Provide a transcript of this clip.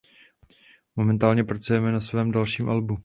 Momentálně pracuje na svém dalším albu.